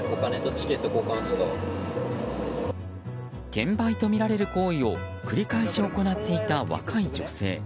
転売とみられる行為を繰り返し行っていた若い女性。